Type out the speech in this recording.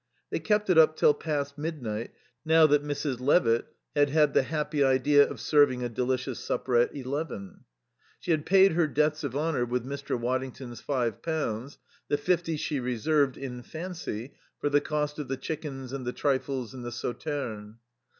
They kept it up till past midnight now that Mrs. Levitt had had the happy idea of serving a delicious supper at eleven. (She had paid her debts of honour with Mr. Waddington's five pounds; the fifty she reserved, in fancy, for the cost of the chickens and the trifles and the Sauterne.)